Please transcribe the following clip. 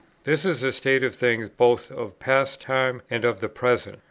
This is a state of things both of past time and of the present.